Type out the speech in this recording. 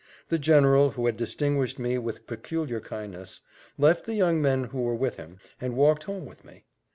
The general, who had distinguished me with peculiar kindness, left the young men who were with him, and walked home with me.